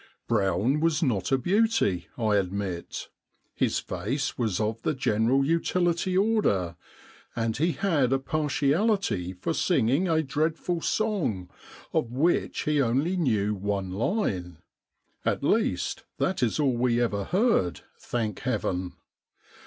Brown was not a beauty, I admit : his face was of the general utility order, and he had a partiality for singing a dreadful song of which he only knew one line — at least that is all we ever heard, thank Heaven